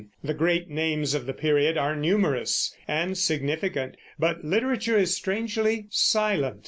The great names of the period are numerous and significant, but literature is strangely silent.